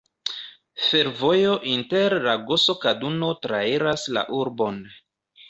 Fervojo inter Lagoso-Kaduno trairas la urbon.